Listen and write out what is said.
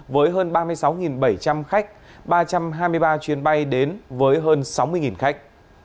với hơn ba mươi sáu bảy trăm linh khách ba trăm hai mươi ba chuyến bay đến với hơn sáu mươi khách